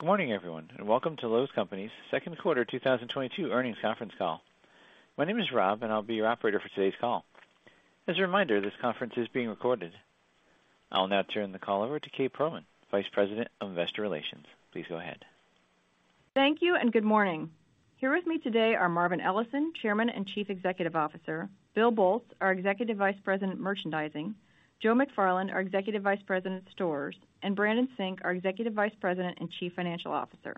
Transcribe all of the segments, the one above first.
Good morning, everyone, and welcome to Lowe's Companies Second Quarter 2022 earnings conference call. My name is Rob and I'll be your operator for today's call. As a reminder, this conference is being recorded. I'll now turn the call over to Kate Pearlman, Vice President of Investor Relations. Please go ahead. Thank you and good morning. Here with me today are Marvin Ellison, Chairman and Chief Executive Officer, Bill Boltz, our Executive Vice President, Merchandising, Joe McFarland, our Executive Vice President, Stores, and Brandon Sink, our Executive Vice President and Chief Financial Officer.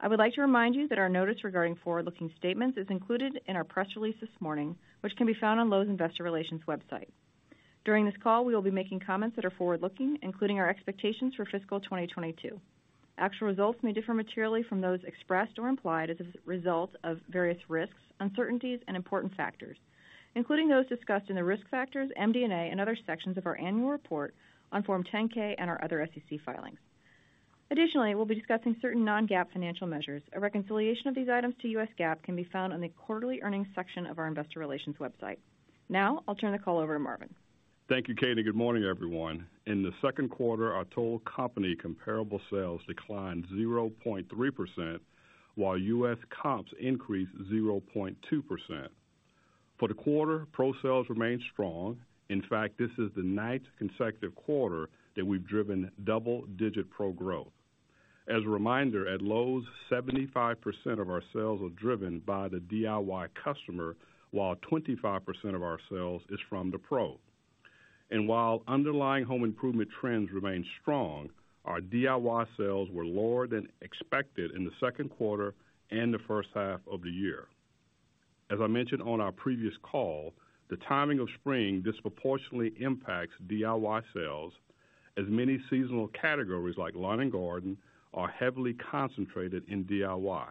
I would like to remind you that our notice regarding forward-looking statements is included in our press release this morning, which can be found on Lowe's Investor Relations website. During this call, we will be making comments that are forward-looking, including our expectations for fiscal 2022. Actual results may differ materially from those expressed or implied as a result of various risks, uncertainties, and important factors, including those discussed in the Risk Factors, MD&A and other sections of our annual report on Form 10-K and our other SEC filings. Additionally, we'll be discussing certain non-GAAP financial measures. A reconciliation of these items to U.S. GAAP can be found on the quarterly earnings section of our investor relations website. Now, I'll turn the call over to Marvin. Thank you, Kate. Good morning, everyone. In the second quarter, our total company comparable sales declined 0.3% while U.S. comps increased 0.2%. For the quarter, pro sales remained strong. In fact, this is the ninth consecutive quarter that we've driven double-digit pro growth. As a reminder, at Lowe's, 75% of our sales are driven by the DIY customer, while 25% of our sales is from the pro. While underlying home improvement trends remain strong, our DIY sales were lower than expected in the second quarter and the first half of the year. As I mentioned on our previous call, the timing of spring disproportionately impacts DIY sales, as many seasonal categories like lawn and garden are heavily concentrated in DIY.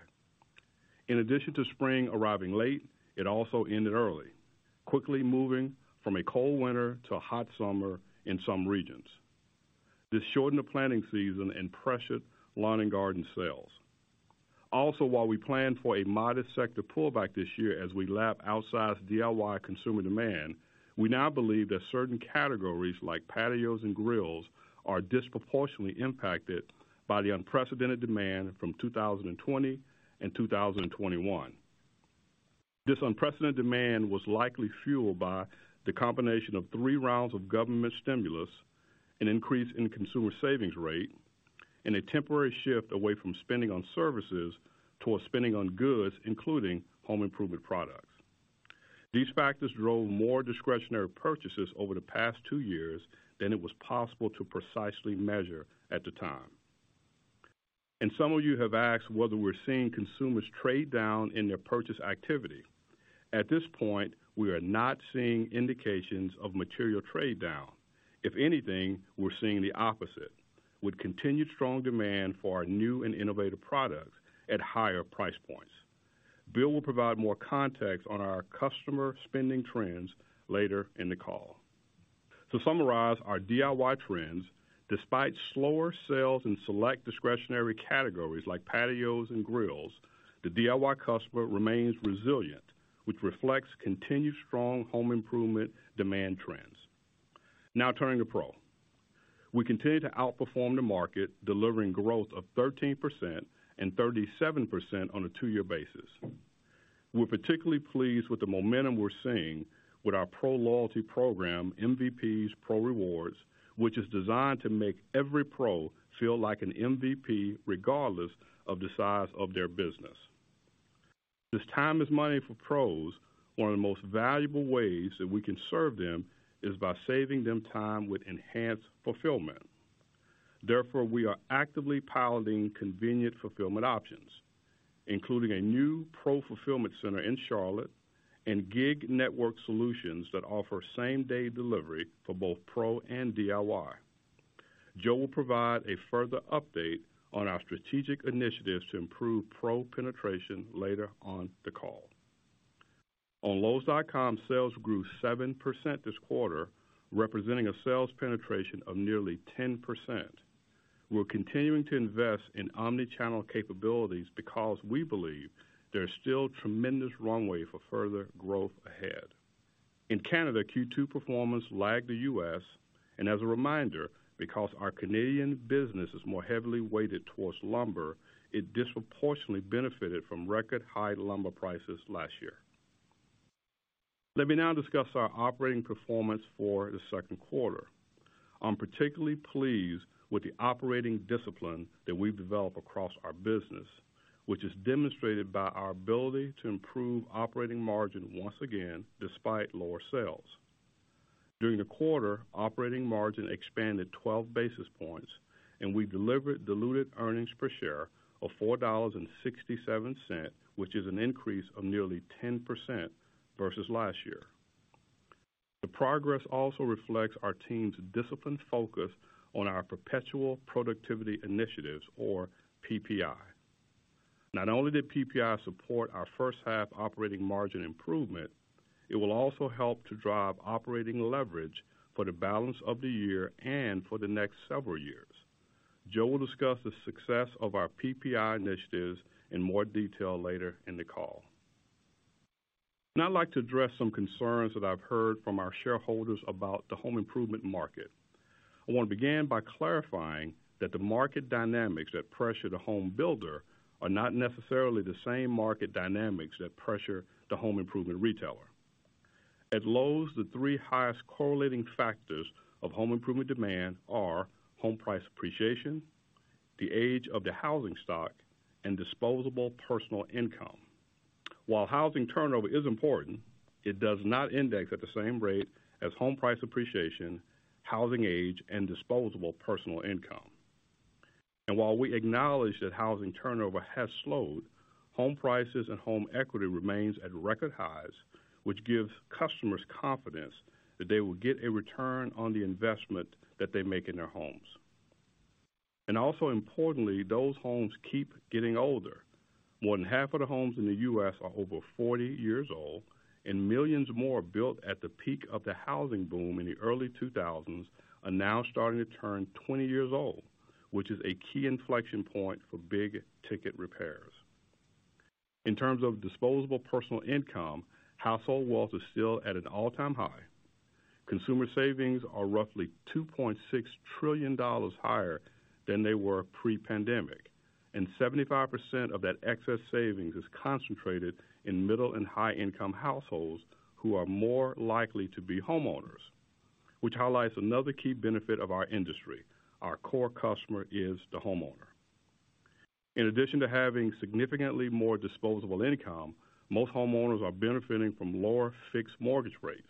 In addition to spring arriving late, it also ended early, quickly moving from a cold winter to a hot summer in some regions. This shortened the planting season and pressured lawn and garden sales. Also, while we planned for a modest sector pullback this year as we lap outside DIY consumer demand, we now believe that certain categories, like patios and grills, are disproportionately impacted by the unprecedented demand from 2020 and 2021. This unprecedented demand was likely fueled by the combination of three rounds of government stimulus, an increase in consumer savings rate, and a temporary shift away from spending on services towards spending on goods, including home improvement products. These factors drove more discretionary purchases over the past two years than it was possible to precisely measure at the time. Some of you have asked whether we're seeing consumers trade down in their purchase activity. At this point, we are not seeing indications of material trade down. If anything, we're seeing the opposite with continued strong demand for our new and innovative products at higher price points. Bill will provide more context on our customer spending trends later in the call. To summarize our DIY trends, despite slower sales in select discretionary categories like patios and grills, the DIY customer remains resilient, which reflects continued strong home improvement demand trends. Now, turning to pro. We continue to outperform the market, delivering growth of 13% and 37% on a two-year basis. We're particularly pleased with the momentum we're seeing with our pro loyalty program, MVPs Pro Rewards, which is designed to make every pro feel like an MVP regardless of the size of their business. Since time is money for pros, one of the most valuable ways that we can serve them is by saving them time with enhanced fulfillment. Therefore, we are actively piloting convenient fulfillment options, including a new pro fulfillment center in Charlotte and gig network solutions that offer same-day delivery for both pro and DIY. Joe will provide a further update on our strategic initiatives to improve pro penetration later on the call. On Lowes.com, sales grew 7% this quarter, representing a sales penetration of nearly 10%. We're continuing to invest in omni-channel capabilities because we believe there's still tremendous runway for further growth ahead. In Canada, Q2 performance lagged the U.S. and as a reminder, because our Canadian business is more heavily weighted towards lumber, it disproportionately benefited from record high lumber prices last year. Let me now discuss our operating performance for the second quarter. I'm particularly pleased with the operating discipline that we've developed across our business, which is demonstrated by our ability to improve operating margin once again, despite lower sales. During the quarter, operating margin expanded 12 basis points, and we delivered diluted earnings per share of $4.67, which is an increase of nearly 10% versus last year. The progress also reflects our team's disciplined focus on our perpetual productivity initiatives or PPI. Not only did PPI support our first half operating margin improvement, it will also help to drive operating leverage for the balance of the year and for the next several years. Joe will discuss the success of our PPI initiatives in more detail later in the call. I'd like to address some concerns that I've heard from our shareholders about the home improvement market. I wanna begin by clarifying that the market dynamics that pressure the home builder are not necessarily the same market dynamics that pressure the home improvement retailer. At Lowe's, the three highest correlating factors of home improvement demand are home price appreciation, the age of the housing stock, and disposable personal income. While housing turnover is important, it does not index at the same rate as home price appreciation, housing age, and disposable personal income. While we acknowledge that housing turnover has slowed, home prices and home equity remains at record highs, which gives customers confidence that they will get a return on the investment that they make in their homes. Also importantly, those homes keep getting older. More than half of the homes in the U.S. are over 40 years old, and millions more built at the peak of the housing boom in the early 2000s are now starting to turn 20 years old, which is a key inflection point for big-ticket repairs. In terms of disposable personal income, household wealth is still at an all-time high. Consumer savings are roughly $2.6 trillion higher than they were pre-pandemic, and 75% of that excess savings is concentrated in middle and high-income households who are more likely to be homeowners, which highlights another key benefit of our industry. Our core customer is the homeowner. In addition to having significantly more disposable income, most homeowners are benefiting from lower fixed mortgage rates.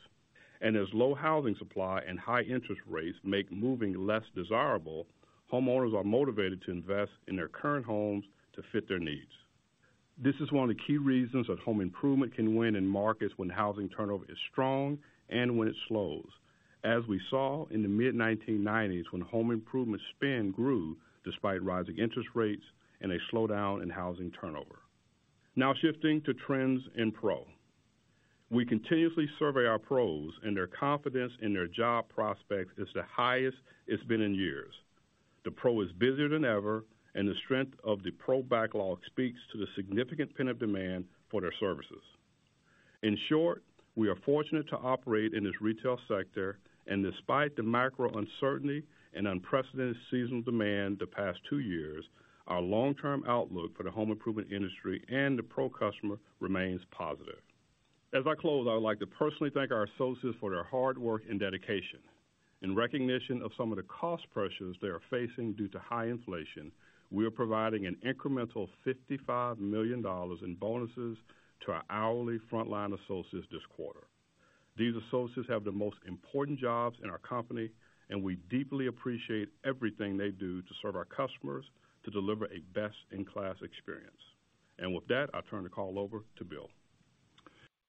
And as low housing supply and high interest rates make moving less desirable, homeowners are motivated to invest in their current homes to fit their needs. This is one of the key reasons that home improvement can win in markets when housing turnover is strong and when it slows, as we saw in the mid-1990s, when home improvement spend grew despite rising interest rates and a slowdown in housing turnover. Now, shifting to trends in pro. We continuously survey our pros, and their confidence in their job prospects is the highest it's been in years. The pro is busier than ever, and the strength of the pro backlog speaks to the significant pent-up demand for their services. In short, we are fortunate to operate in this retail sector, and despite the macro uncertainty and unprecedented seasonal demand the past two years, our long-term outlook for the home improvement industry and the pro customer remains positive. As I close, I would like to personally thank our associates for their hard work and dedication. In recognition of some of the cost pressures they are facing due to high inflation, we are providing an incremental $55 million in bonuses to our hourly frontline associates this quarter. These associates have the most important jobs in our company, and we deeply appreciate everything they do to serve our customers to deliver a best-in-class experience. With that, I'll turn the call over to Bill.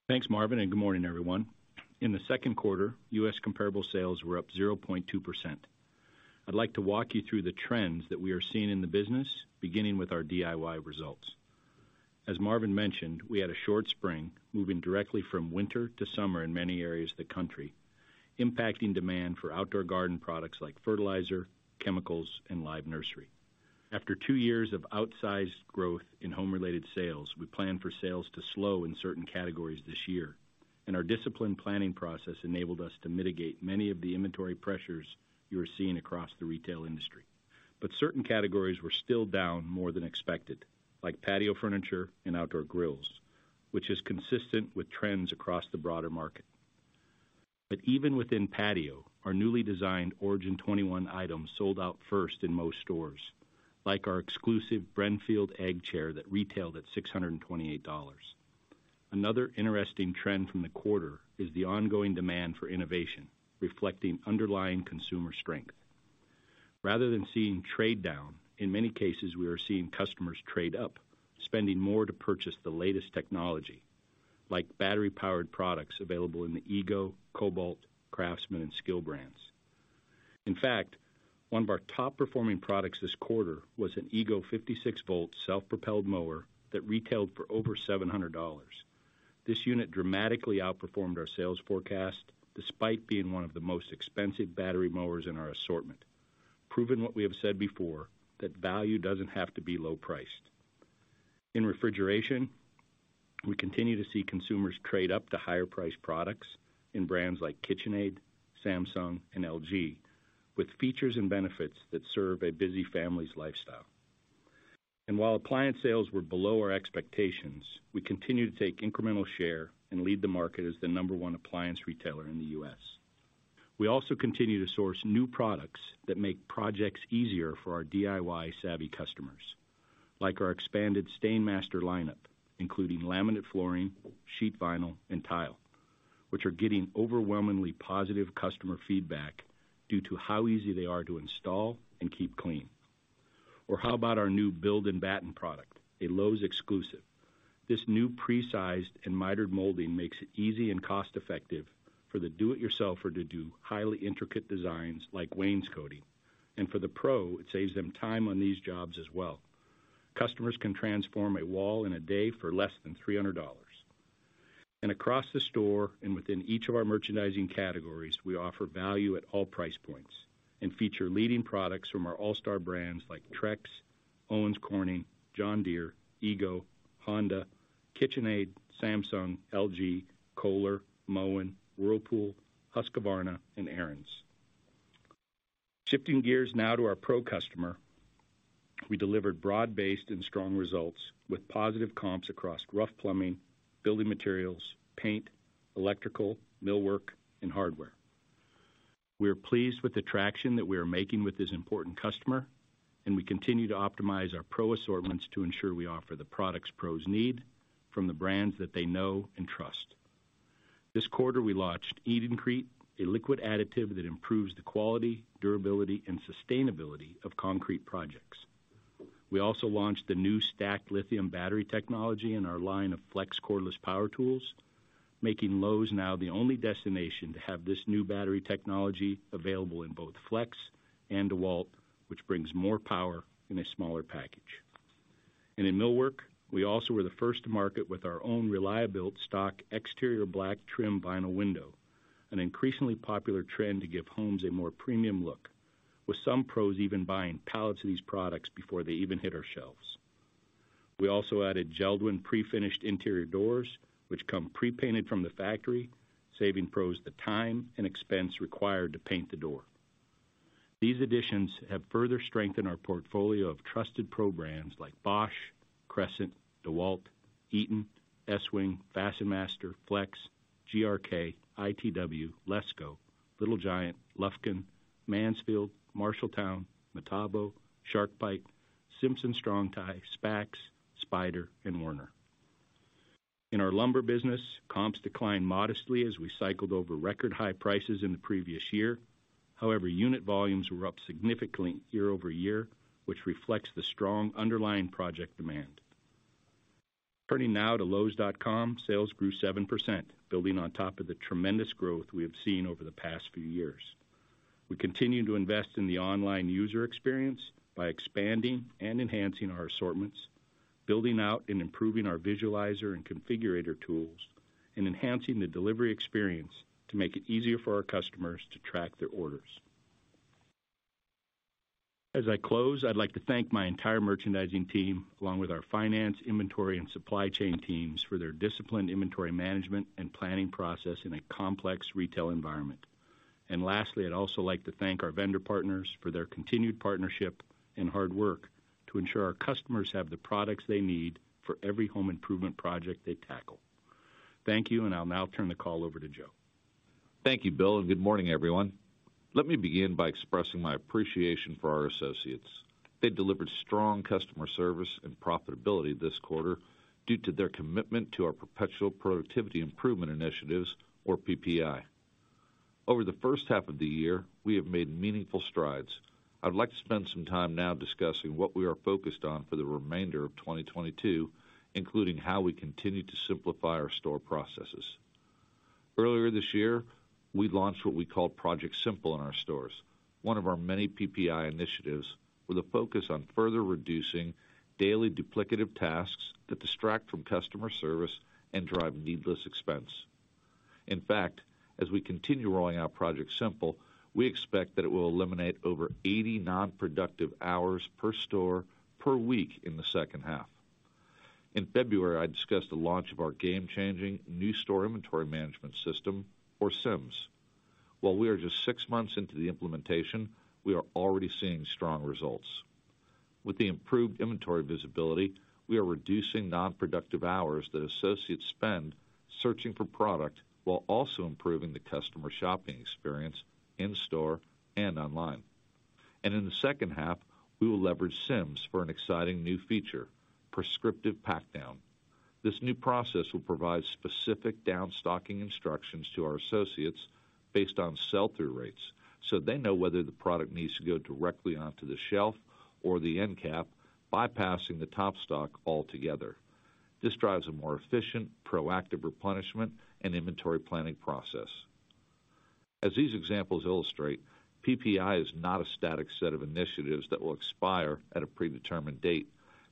Thanks, Marvin, and good morning, everyone. In the second quarter, U.S. comparable sales were up 0.2%. I'd like to walk you through the trends that we are seeing in the business, beginning with our DIY results. As Marvin mentioned, we had a short spring, moving directly from winter to summer in many areas of the country, impacting demand for outdoor garden products like fertilizer, chemicals, and live nursery. After two years of outsized growth in home-related sales, we planned for sales to slow in certain categories this year, and our disciplined planning process enabled us to mitigate many of the inventory pressures you are seeing across the retail industry. Certain categories were still down more than expected, like patio furniture and outdoor grills, which is consistent with trends across the broader market. Even within patio, our newly designed Origin 21 items sold out first in most stores, like our exclusive Brennfield egg chair that retailed at $628. Another interesting trend from the quarter is the ongoing demand for innovation, reflecting underlying consumer strength. Rather than seeing trade down, in many cases, we are seeing customers trade up, spending more to purchase the latest technology, like battery-powered products available in the EGO, Kobalt, CRAFTSMAN, and SKIL brands. In fact, one of our top-performing products this quarter was an EGO 56-volt self-propelled mower that retailed for over $700. This unit dramatically outperformed our sales forecast despite being one of the most expensive battery mowers in our assortment, proving what we have said before, that value doesn't have to be low priced. In refrigeration, we continue to see consumers trade up to higher priced products in brands like KitchenAid, Samsung, and LG, with features and benefits that serve a busy family's lifestyle. While appliance sales were below our expectations, we continue to take incremental share and lead the market as the number one appliance retailer in the U.S. We also continue to source new products that make projects easier for our DIY-savvy customers, like our expanded STAINMASTER lineup, including laminate flooring, sheet vinyl, and tile, which are getting overwhelmingly positive customer feedback due to how easy they are to install and keep clean. How about our new board and batten product, a Lowe's exclusive? This new pre-sized and mitered molding makes it easy and cost-effective for the do-it-yourselfer to do highly intricate designs like wainscoting. For the pro, it saves them time on these jobs as well. Customers can transform a wall in a day for less than $300. Across the store and within each of our merchandising categories, we offer value at all price points and feature leading products from our all-star brands like Trex, Owens Corning, John Deere, EGO, Honda, KitchenAid, Samsung, LG, Kohler, Moen, Whirlpool, Husqvarna and Ariens. Shifting gears now to our pro customer. We delivered broad-based and strong results with positive comps across rough plumbing, building materials, paint, electrical, millwork and hardware. We are pleased with the traction that we are making with this important customer, and we continue to optimize our pro assortments to ensure we offer the products pros need from the brands that they know and trust. This quarter, we launched EdenCrete, a liquid additive that improves the quality, durability, and sustainability of concrete projects. We also launched the new stacked lithium battery technology in our line of FLEX cordless power tools, making Lowe's now the only destination to have this new battery technology available in both FLEX and DEWALT, which brings more power in a smaller package. In millwork, we also were the first to market with our own reliable stock exterior black trim vinyl window, an increasingly popular trend to give homes a more premium look, with some pros even buying pallets of these products before they even hit our shelves. We also added JELD-WEN pre-finished interior doors, which come pre-painted from the factory, saving pros the time and expense required to paint the door. These additions have further strengthened our portfolio of trusted pro brands like Bosch, Crescent, DEWALT, Eaton, Estwing, FastenMaster, FLEX, GRK, ITW, LESCO, Little Giant, LUFKIN, Mansfield, Marshalltown, Metabo, SharkBite, Simpson Strong-Tie, SPAX, Spyder and Warner. In our lumber business, comps declined modestly as we cycled over record high prices in the previous year. However, unit volumes were up significantly year-over-year, which reflects the strong underlying project demand. Turning now to Lowes.com, sales grew 7%, building on top of the tremendous growth we have seen over the past few years. We continue to invest in the online user experience by expanding and enhancing our assortments, building out and improving our visualizer and configurator tools, and enhancing the delivery experience to make it easier for our customers to track their orders. As I close, I'd like to thank my entire merchandising team, along with our finance, inventory and supply chain teams for their disciplined inventory management and planning process in a complex retail environment. Lastly, I'd also like to thank our vendor partners for their continued partnership and hard work to ensure our customers have the products they need for every home improvement project they tackle. Thank you, I'll now turn the call over to Joe. Thank you, Bill, and good morning, everyone. Let me begin by expressing my appreciation for our associates. They delivered strong customer service and profitability this quarter due to their commitment to our perpetual productivity improvement initiatives, or PPI. Over the first half of the year, we have made meaningful strides. I would like to spend some time now discussing what we are focused on for the remainder of 2022, including how we continue to simplify our store processes. Earlier this year, we launched what we call Project Simple in our stores, one of our many PPI initiatives with a focus on further reducing daily duplicative tasks that distract from customer service and drive needless expense. In fact, as we continue rolling out Project Simple, we expect that it will eliminate over 80 non-productive hours per store per week in the second half. In February, I discussed the launch of our game-changing new store inventory management system, or SIMS. While we are just six months into the implementation, we are already seeing strong results. With the improved inventory visibility, we are reducing non-productive hours that associates spend searching for product while also improving the customer shopping experience in store and online. In the second half, we will leverage SIMS for an exciting new feature, Prescriptive Pack Down. This new process will provide specific down stocking instructions to our associates based on sell-through rates, so they know whether the product needs to go directly onto the shelf or the end cap, bypassing the top stock altogether. This drives a more efficient, proactive replenishment and inventory planning process. As these examples illustrate, PPI is not a static set of initiatives that will expire at a predetermined date.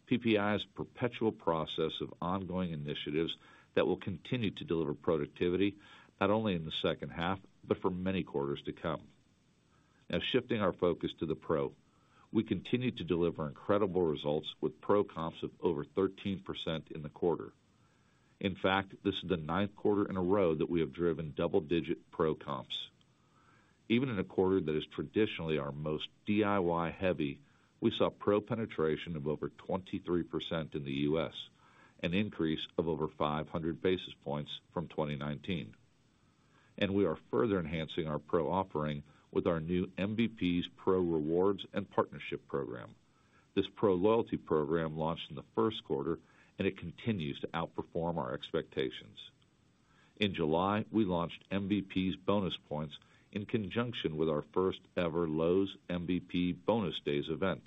PPI is a perpetual process of ongoing initiatives that will continue to deliver productivity not only in the second half, but for many quarters to come. Now, shifting our focus to the pro, we continue to deliver incredible results with pro comps of over 13% in the quarter. In fact, this is the ninth quarter in a row that we have driven double-digit pro comps. Even in a quarter that is traditionally our most DIY-heavy, we saw pro penetration of over 23% in the U.S., an increase of over 500 basis points from 2019. We are further enhancing our pro offering with our new MVPs Pro Rewards and Partnership Program. This pro loyalty program launched in the first quarter, and it continues to outperform our expectations. In July, we launched MVPs Bonus Points in conjunction with our first ever Lowe's MVP Bonus Days event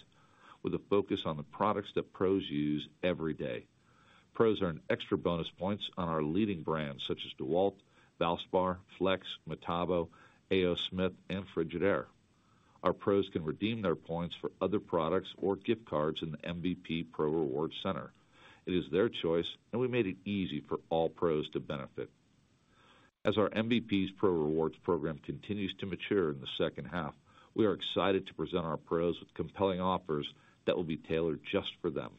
with a focus on the products that pros use every day. Pros earn extra bonus points on our leading brands such as DEWALT, Valspar, FLEX, Metabo, A. O. Smith and Frigidaire. Our pros can redeem their points for other products or gift cards in the MVP Pro Rewards Center. It is their choice, and we made it easy for all pros to benefit. As our MVPs Pro Rewards program continues to mature in the second half, we are excited to present our pros with compelling offers that will be tailored just for them.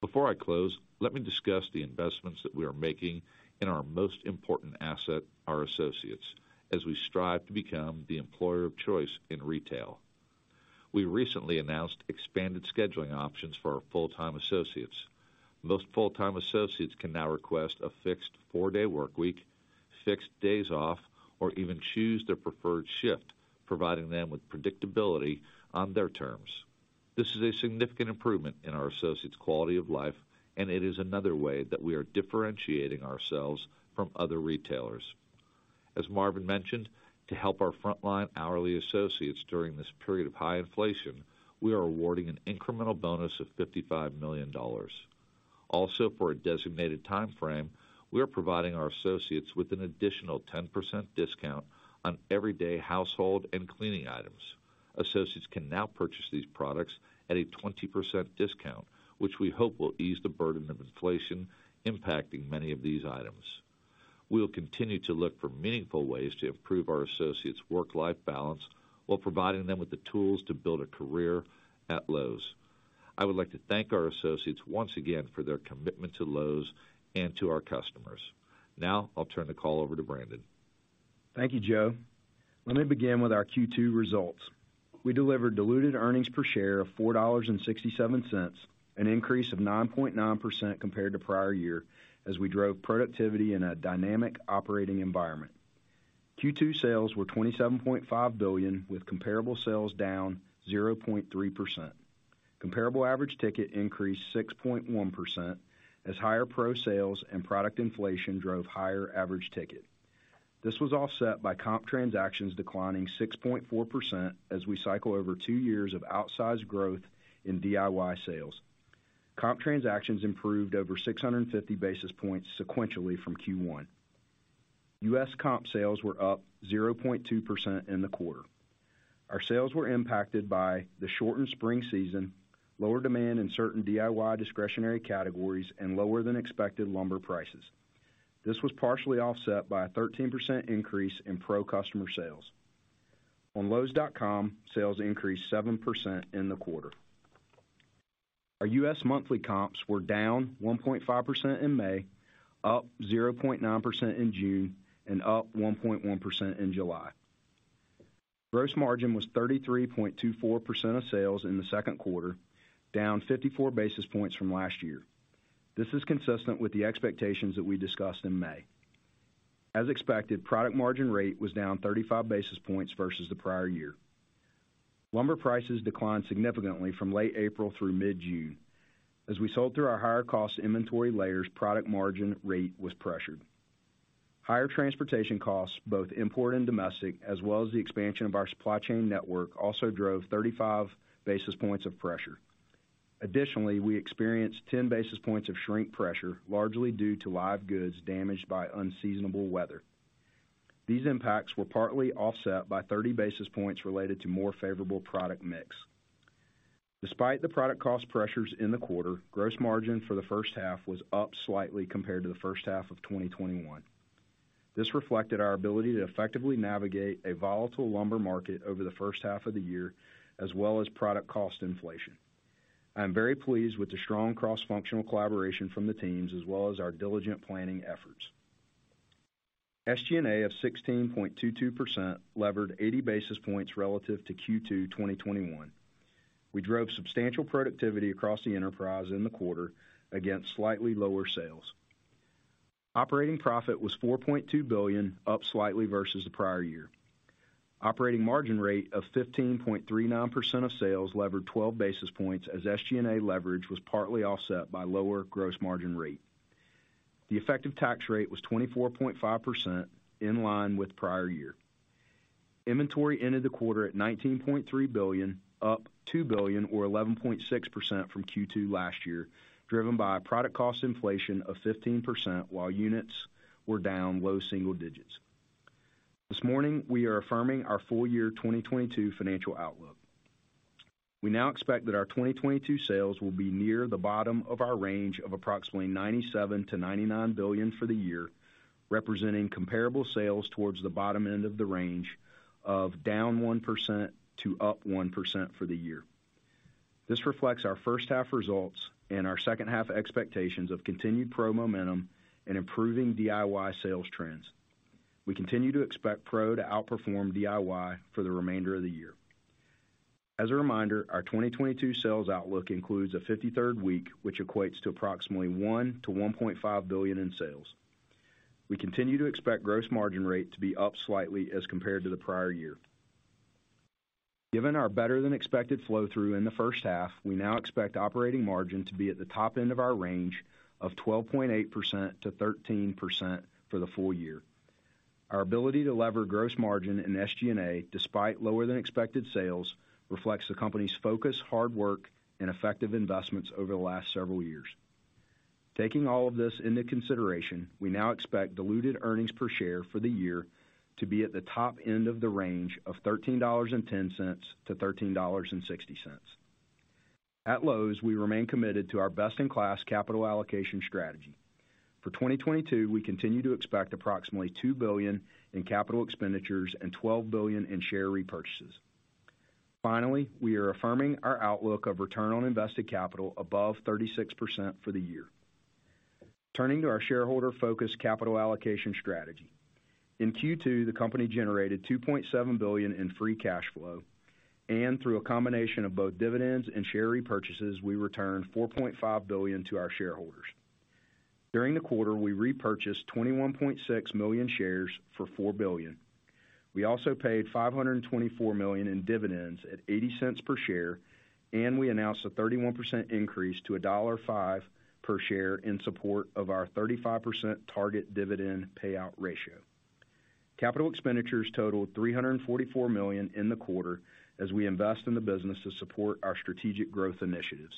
Before I close, let me discuss the investments that we are making in our most important asset, our associates, as we strive to become the employer of choice in retail. We recently announced expanded scheduling options for our full-time associates. Most full-time associates can now request a fixed four-day workweek, fixed days off, or even choose their preferred shift, providing them with predictability on their terms. This is a significant improvement in our associates' quality of life, and it is another way that we are differentiating ourselves from other retailers. As Marvin mentioned, to help our frontline hourly associates during this period of high inflation, we are awarding an incremental bonus of $55 million. Also, for a designated timeframe, we are providing our associates with an additional 10% discount on everyday household and cleaning items. Associates can now purchase these products at a 20% discount, which we hope will ease the burden of inflation impacting many of these items. We will continue to look for meaningful ways to improve our associates' work-life balance while providing them with the tools to build a career at Lowe's. I would like to thank our associates once again for their commitment to Lowe's and to our customers. Now, I'll turn the call over to Brandon. Thank you, Joe. Let me begin with our Q2 results. We delivered diluted earnings per share of $4.67, an increase of 9.9% compared to prior year as we drove productivity in a dynamic operating environment. Q2 sales were $27.5 billion, with comparable sales down 0.3%. Comparable average ticket increased 6.1% as higher pro sales and product inflation drove higher average ticket. This was offset by comp transactions declining 6.4% as we cycle over two years of outsized growth in DIY sales. Comp transactions improved over 650 basis points sequentially from Q1. U.S. comp sales were up 0.2% in the quarter. Our sales were impacted by the shortened spring season, lower demand in certain DIY discretionary categories, and lower than expected lumber prices. This was partially offset by a 13% increase in pro customer sales. On Lowes.com, sales increased 7% in the quarter. Our U.S. monthly comps were down 1.5% in May, up 0.9% in June, and up 1.1% in July. Gross margin was 33.24% of sales in the second quarter, down 54 basis points from last year. This is consistent with the expectations that we discussed in May. As expected, product margin rate was down 35 basis points versus the prior year. Lumber prices declined significantly from late April through mid-June. As we sold through our higher cost inventory layers, product margin rate was pressured. Higher transportation costs, both import and domestic, as well as the expansion of our supply chain network, also drove 35 basis points of pressure. Additionally, we experienced 10 basis points of shrink pressure, largely due to live goods damaged by unseasonable weather. These impacts were partly offset by 30 basis points related to more favorable product mix. Despite the product cost pressures in the quarter, gross margin for the first half was up slightly compared to the first half of 2021. This reflected our ability to effectively navigate a volatile lumber market over the first half of the year, as well as product cost inflation. I am very pleased with the strong cross-functional collaboration from the teams as well as our diligent planning efforts. SG&A of 16.22% levered 80 basis points relative to Q2 2021. We drove substantial productivity across the enterprise in the quarter against slightly lower sales. Operating profit was $4.2 billion, up slightly versus the prior year. Operating margin rate of 15.39% of sales levered 12 basis points as SG&A leverage was partly offset by lower gross margin rate. The effective tax rate was 24.5%, in line with prior year. Inventory ended the quarter at $19.3 billion, up $2 billion or 11.6% from Q2 last year, driven by a product cost inflation of 15% while units were down low single digits. This morning, we are affirming our full year 2022 financial outlook. We now expect that our 2022 sales will be near the bottom of our range of approximately $97 billion-$99 billion for the year, representing comparable sales towards the bottom end of the range of down 1% to up 1% for the year. This reflects our first half results and our second half expectations of continued pro momentum and improving DIY sales trends. We continue to expect pro to outperform DIY for the remainder of the year. As a reminder, our 2022 sales outlook includes a 53rd week, which equates to approximately $1 billion-$1.5 billion in sales. We continue to expect gross margin rate to be up slightly as compared to the prior year. Given our better than expected flow through in the first half, we now expect operating margin to be at the top end of our range of 12.8%-13% for the full year. Our ability to lever gross margin in SG&A despite lower than expected sales reflects the company's focus, hard work, and effective investments over the last several years. Taking all of this into consideration, we now expect diluted earnings per share for the year to be at the top end of the range of $13.10-$13.60. At Lowe's, we remain committed to our best-in-class capital allocation strategy. For 2022, we continue to expect approximately $2 billion in capital expenditures and $12 billion in share repurchases. Finally, we are affirming our outlook of return on invested capital above 36% for the year. Turning to our shareholder-focused capital allocation strategy. In Q2, the company generated $2.7 billion in free cash flow. Through a combination of both dividends and share repurchases, we returned $4.5 billion to our shareholders. During the quarter, we repurchased 21.6 million shares for $4 billion. We also paid $524 million in dividends at $0.80 per share, and we announced a 31% increase to $1.05 per share in support of our 35% target dividend payout ratio. Capital expenditures totaled $344 million in the quarter as we invest in the business to support our strategic growth initiatives.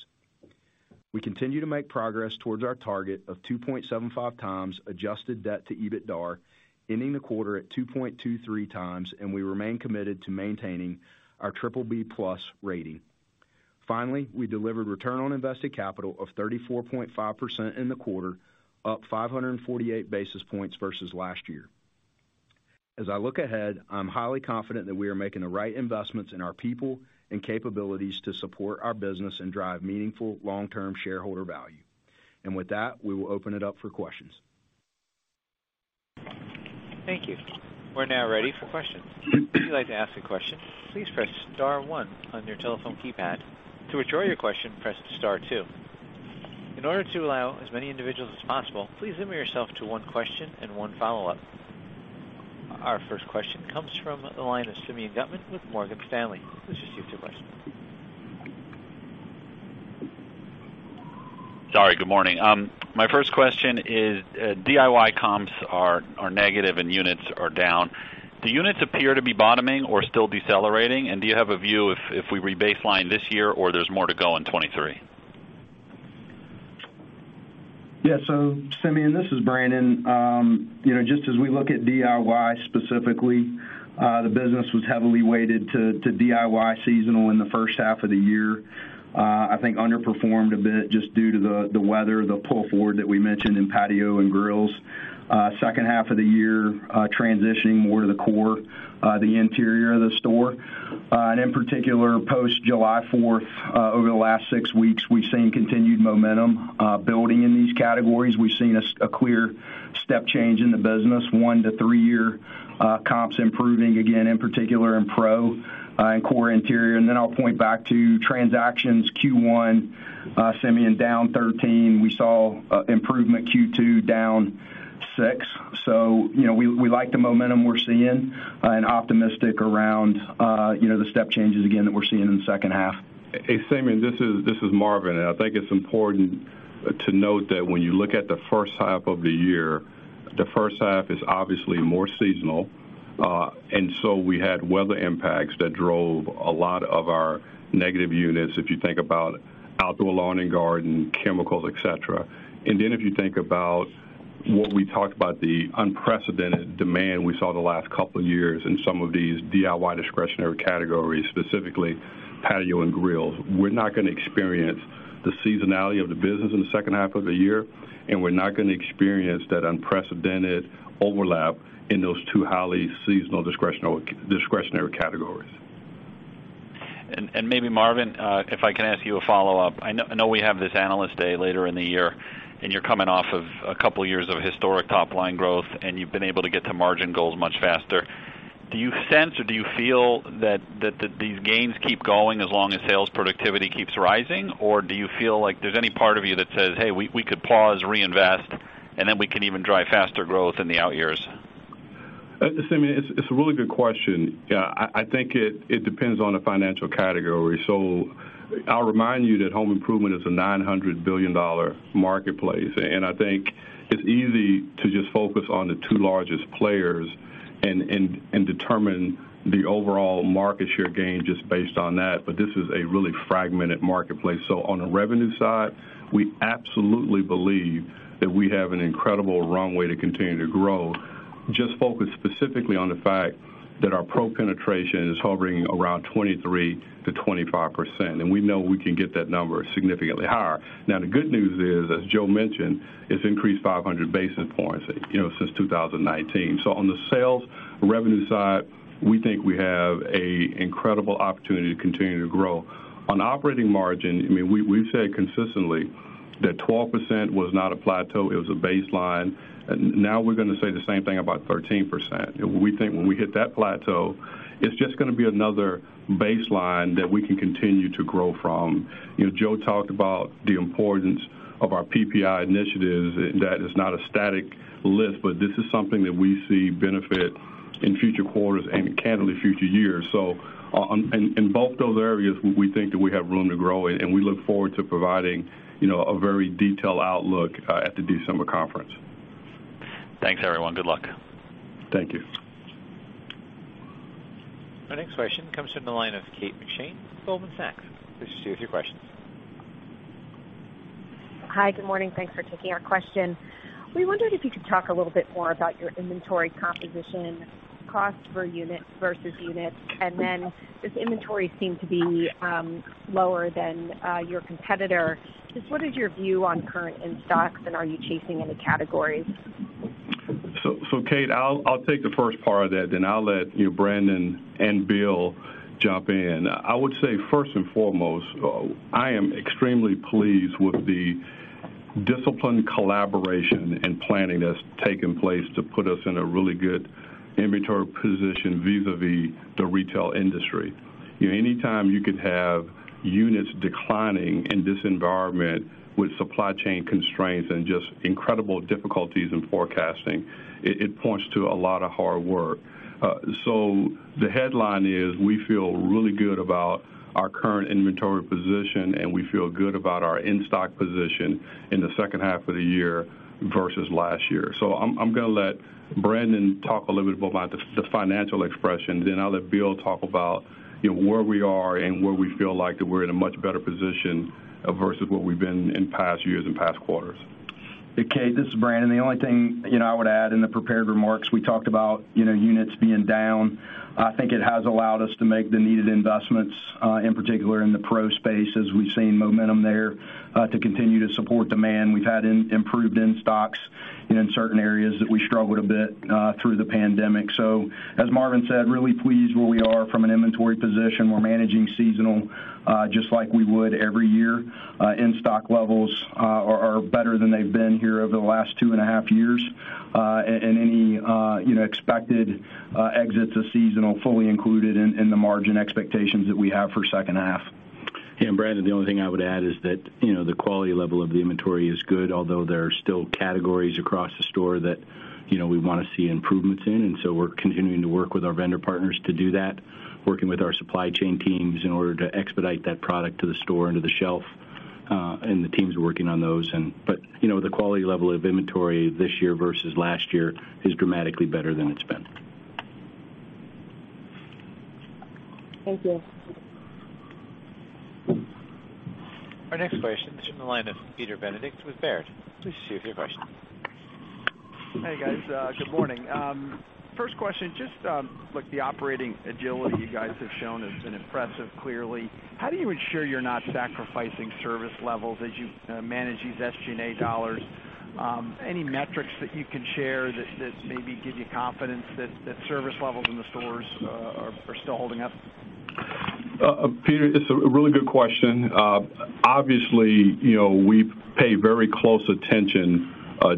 We continue to make progress towards our target of 2.75x adjusted debt to EBITDAR, ending the quarter at 2.23x, and we remain committed to maintaining our BBB+ rating. Finally, we delivered return on invested capital of 34.5% in the quarter, up 548 basis points versus last year. As I look ahead, I'm highly confident that we are making the right investments in our people and capabilities to support our business and drive meaningful long-term shareholder value. With that, we will open it up for questions. Thank you. We're now ready for questions. If you'd like to ask a question, please press star one on your telephone keypad. To withdraw your question, press star two. In order to allow as many individuals as possible, please limit yourself to one question and one follow-up. Our first question comes from the line of Simeon Gutman with Morgan Stanley. Please proceed with your question. Sorry, good morning. My first question is, DIY comps are negative and units are down. Do units appear to be bottoming or still decelerating? Do you have a view if we rebaseline this year or there's more to go in 2023? Yeah. Simeon, this is Brandon. You know, just as we look at DIY specifically, the business was heavily weighted to DIY seasonal in the first half of the year. I think underperformed a bit just due to the weather, the pull forward that we mentioned in patio and grills. Second half of the year, transitioning more to the core, the interior of the store. In particular, post July 4th, over the last six weeks, we've seen continued momentum building in these categories. We've seen a clear step change in the business, one to three year comps improving again, in particular in pro and core interior. Then I'll point back to transactions Q1, Simeon, down 13%. We saw improvement Q2 down 6%. You know, we like the momentum we're seeing and optimistic around you know, the step changes again that we're seeing in the second half. Hey, Simeon, this is Marvin. I think it's important to note that when you look at the first half of the year, the first half is obviously more seasonal. We had weather impacts that drove a lot of our negative units, if you think about outdoor lawn and garden, chemicals, et cetera. Then if you think about what we talked about, the unprecedented demand we saw the last couple of years in some of these DIY discretionary categories, specifically patio and grills. We're not gonna experience the seasonality of the business in the second half of the year, and we're not gonna experience that unprecedented overlap in those two highly seasonal discretionary categories. Maybe Marvin, if I can ask you a follow-up. I know we have this Analyst Day later in the year, and you're coming off of a couple of years of historic top-line growth, and you've been able to get to margin goals much faster. Do you sense, or do you feel that these gains keep going as long as sales productivity keeps rising? Or do you feel like there's any part of you that says, "Hey, we could pause, reinvest, and then we can even drive faster growth in the out years?" Simeon, it's a really good question. Yeah, I think it depends on the financial category. I'll remind you that home improvement is a $900 billion marketplace. I think it's easy to just focus on the two largest players and determine the overall market share gain just based on that. This is a really fragmented marketplace. On the revenue side, we absolutely believe that we have an incredible runway to continue to grow. Just focus specifically on the fact that our pro penetration is hovering around 23%-25%, and we know we can get that number significantly higher. Now, the good news is, as Joe mentioned, it's increased 500 basis points, you know, since 2019. On the sales revenue side, we think we have a incredible opportunity to continue to grow. On operating margin, I mean, we've said consistently that 12% was not a plateau, it was a baseline. Now, we're gonna say the same thing about 13%. We think when we hit that plateau, it's just gonna be another baseline that we can continue to grow from. You know, Joe talked about the importance of our PPI initiatives, that is not a static list, but this is something that we see benefit in future quarters and candidly future years. In both those areas, we think that we have room to grow in, and we look forward to providing, you know, a very detailed outlook at the December conference. Thanks, everyone. Good luck. Thank you. Our next question comes from the line of Kate McShane, Goldman Sachs. Please proceed with your question. Hi. Good morning. Thanks for taking our question. We wondered if you could talk a little bit more about your inventory composition cost per unit versus units, and then does inventory seem to be lower than your competitor? Just what is your view on current in-stocks, and are you chasing any categories? Kate, I'll take the first part of that, then I'll let Brandon and Bill jump in, you know. I would say first and foremost, I am extremely pleased with the disciplined collaboration and planning that's taken place to put us in a really good inventory position vis-à-vis the retail industry. You know, anytime you could have units declining in this environment with supply chain constraints and just incredible difficulties in forecasting, it points to a lot of hard work. The headline is we feel really good about our current inventory position, and we feel good about our in-stock position in the second half of the year versus last year. I'm gonna let Brandon talk a little bit about the financial expression, then I'll let Bill talk about, you know, where we are and where we feel like that we're in a much better position versus what we've been in past years and past quarters. Hey, Kate, this is Brandon. The only thing, you know, I would add in the prepared remarks, we talked about, you know, units being down. I think it has allowed us to make the needed investments in particular in the pro space as we've seen momentum there to continue to support demand. We've had improved in-stocks in certain areas that we struggled a bit through the pandemic. As Marvin said, really pleased where we are from an inventory position. We're managing seasonal just like we would every year. In-stock levels are better than they've been here over the last 2.5 years. And any, you know, expected exits of seasonal fully included in the margin expectations that we have for second half. Yeah, Brandon, the only thing I would add is that, you know, the quality level of the inventory is good, although there are still categories across the store that, you know, we wanna see improvements in, and so we're continuing to work with our vendor partners to do that, working with our supply chain teams in order to expedite that product to the store and to the shelf. You know, the quality level of inventory this year versus last year is dramatically better than it's been. Thank you. Our next question is from the line of Peter Benedict with Baird. Please proceed with your question. Hey, guys. Good morning. First question, just, look, the operating agility you guys have shown has been impressive, clearly. How do you ensure you're not sacrificing service levels as you manage these SG&A dollars? Any metrics that you can share that maybe give you confidence that service levels in the stores are still holding up? Peter, it's a really good question. Obviously, you know, we pay very close attention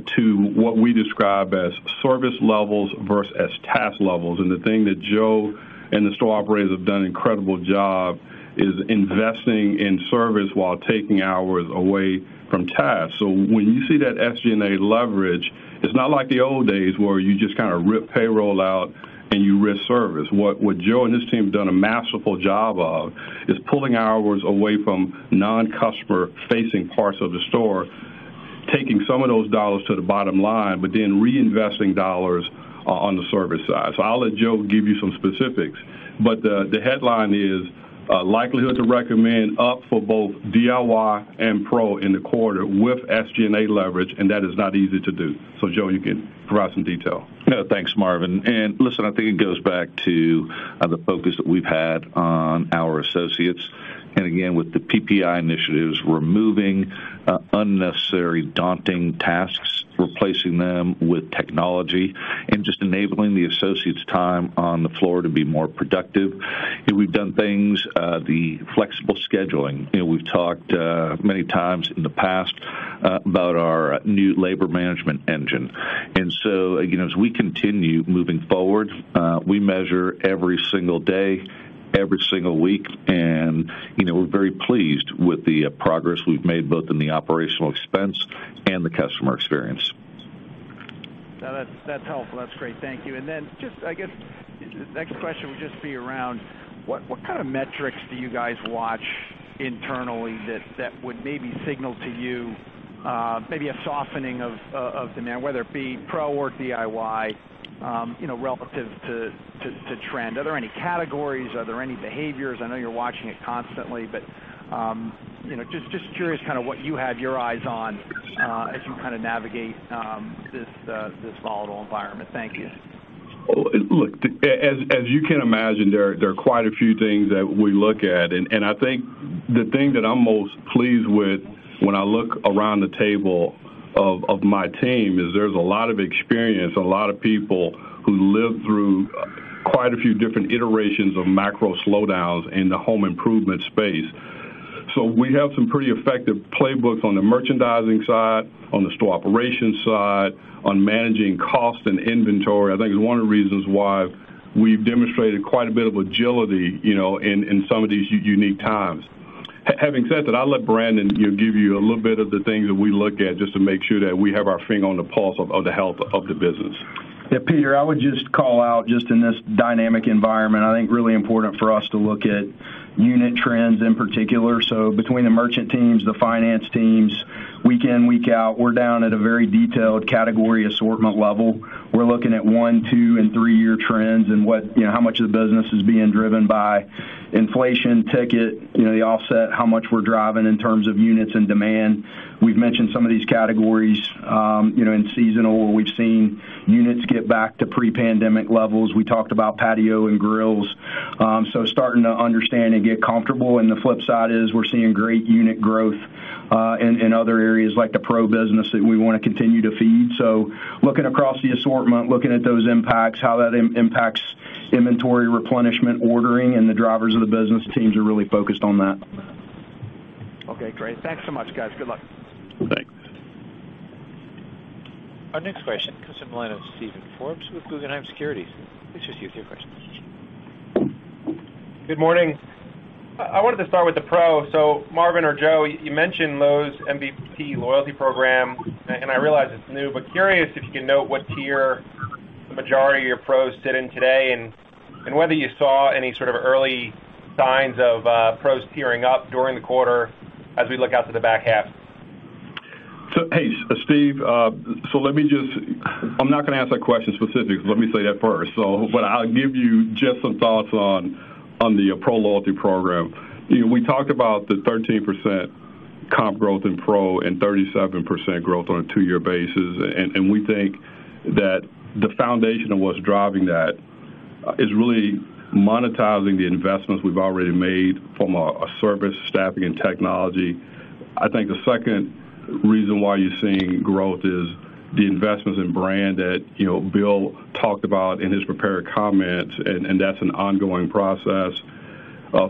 to what we describe as service levels versus task levels. The thing that Joe and the store operators have done an incredible job is investing in service while taking hours away from tasks. When you see that SG&A leverage, it's not like the old days where you just kind of rip payroll out and you risk service. What Joe and his team have done a masterful job of is pulling hours away from non-customer facing parts of the store, taking some of those dollars to the bottom line, but then reinvesting dollars on the service side. I'll let Joe give you some specifics, but the headline is likelihood to recommend up for both DIY and pro in the quarter with SG&A leverage, and that is not easy to do. Joe, you can provide some detail. Yeah. Thanks, Marvin. Listen, I think it goes back to the focus that we've had on our associates. Again, with the PPI initiatives, removing unnecessary daunting tasks, replacing them with technology and just enabling the associates' time on the floor to be more productive. You know, we've done things, the flexible scheduling. You know, we've talked many times in the past about our new labor management engine. You know, as we continue moving forward, we measure every single day, every single week, and you know, we're very pleased with the progress we've made both in the operational expense and the customer experience. No, that's helpful. That's great. Thank you. Just I guess the next question would just be around what kind of metrics do you guys watch internally that would maybe signal to you, maybe a softening of demand, whether it be pro or DIY, you know, relative to trend? Are there any categories? Are there any behaviors? I know you're watching it constantly, but you know, just curious kind of what you have your eyes on, as you kind of navigate this volatile environment. Thank you. Look, as you can imagine, there are quite a few things that we look at. I think the thing that I'm most pleased with when I look around the table of my team is there's a lot of experience, a lot of people who lived through quite a few different iterations of macro slowdowns in the home improvement space. We have some pretty effective playbooks on the merchandising side, on the store operations side, on managing cost and inventory. I think it's one of the reasons why we've demonstrated quite a bit of agility, you know, in some of these unique times. Having said that, I'll let Brandon give you a little bit of the things that we look at just to make sure that we have our finger on the pulse of the health of the business. Yeah, Peter, I would just call out just in this dynamic environment, I think really important for us to look at unit trends in particular. Between the merchant teams, the finance teams, week in, week out, we're down at a very detailed category assortment level. We're looking at one, two, and three year trends and what, you know, how much of the business is being driven by inflation, ticket, you know, the offset, how much we're driving in terms of units and demand. We've mentioned some of these categories, you know, in seasonal, where we've seen units get back to pre-pandemic levels. We talked about patio and grills. Starting to understand and get comfortable. The flip side is we're seeing great unit growth in other areas like the pro business that we wanna continue to feed. Looking across the assortment, looking at those impacts, how that impacts inventory replenishment ordering, and the drivers of the business teams are really focused on that. Okay, great. Thanks so much, guys. Good luck. Thanks. Our next question comes from the line of Steven Forbes with Guggenheim Securities. Please just give your question. Good morning. I wanted to start with the pro. Marvin or Joe, you mentioned Lowe's MVP loyalty program, and I realize it's new, but curious if you can note what tier the majority of your pros sit in today, and whether you saw any sort of early signs of pros tiering up during the quarter as we look out to the back half. Hey, Steve, I'm not gonna answer that question specifically. Let me say that first. I'll give you just some thoughts on the pro loyalty program. You know, we talked about the 13% comp growth in pro and 37% growth on a two-year basis. We think that the foundation of what's driving that is really monetizing the investments we've already made from a service staffing and technology. I think the second reason why you're seeing growth is the investments in brand that, you know, Bill talked about in his prepared comments, and that's an ongoing process.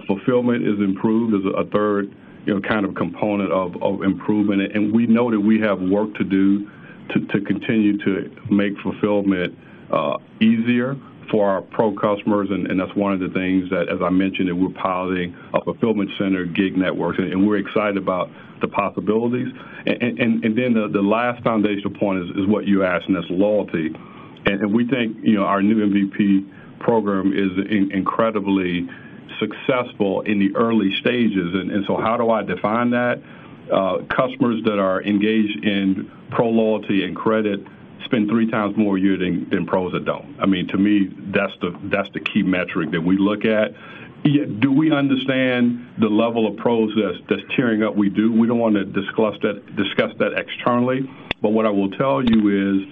Fulfillment is improved as a third, you know, kind of component of improvement. We know that we have work to do to continue to make fulfillment easier for our pro customers, and that's one of the things that, as I mentioned, that we're piloting a fulfillment center gig network, and we're excited about the possibilities. Then the last foundational point is what you asked, and that's loyalty. We think, you know, our new MVP program is incredibly successful in the early stages. How do I define that? Customers that are engaged in pro loyalty and credit spend 3x more a year than pros that don't. I mean, to me, that's the key metric that we look at. Do we understand the level of pros that's tiering up? We do. We don't wanna discuss that externally. What I will tell you is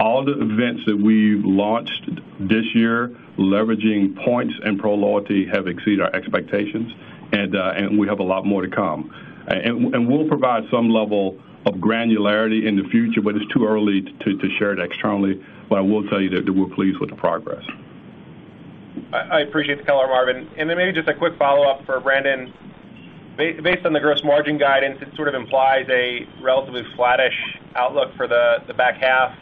all the events that we've launched this year, leveraging points and pro loyalty have exceeded our expectations, and we have a lot more to come. We'll provide some level of granularity in the future, but it's too early to share it externally. I will tell you that we're pleased with the progress. I appreciate the color, Marvin. Maybe just a quick follow-up for Brandon. Based on the gross margin guidance, it sort of implies a relatively flattish outlook for the back half.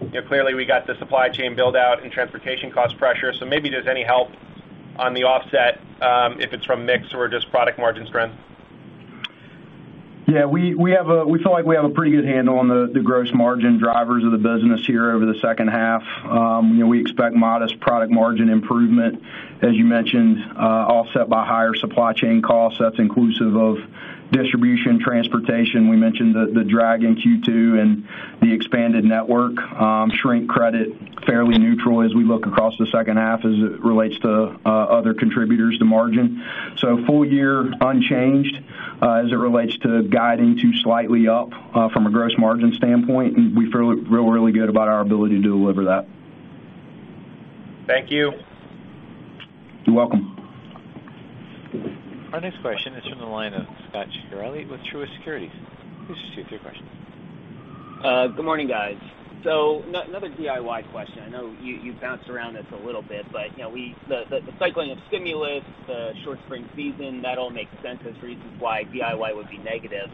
You know, clearly, we got the supply chain build out and transportation cost pressure. Maybe there's any help on the offset, if it's from mix or just product margin trends. Yeah. We feel like we have a pretty good handle on the gross margin drivers of the business here over the second half. You know, we expect modest product margin improvement, as you mentioned, offset by higher supply chain costs. That's inclusive of distribution, transportation. We mentioned the drag in Q2 and the expanded network. Shrink credit, fairly neutral as we look across the second half as it relates to other contributors to margin. Full year unchanged, as it relates to guiding to slightly up, from a gross margin standpoint, and we feel really good about our ability to deliver that. Thank you. You're welcome. Our next question is from the line of Scot Ciccarelli with Truist Securities. Please proceed with your question. Good morning, guys. Another DIY question. I know you've bounced around this a little bit, but, you know, the cycling of stimulus, the short spring season, that all makes sense as reasons why DIY would be negative.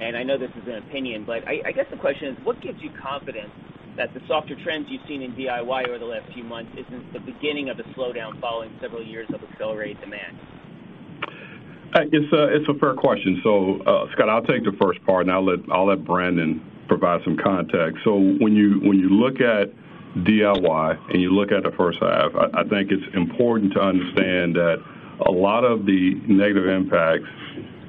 I know this is an opinion, but I guess the question is, what gives you confidence that the softer trends you've seen in DIY over the last few months isn't the beginning of a slowdown following several years of accelerated demand? It's a fair question. Scot, I'll take the first part, and I'll let Brandon provide some context. When you look at DIY and you look at the first half, I think it's important to understand that a lot of the negative impacts